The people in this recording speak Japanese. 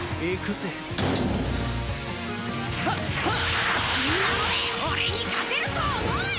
そんなので俺に勝てると思うなよ！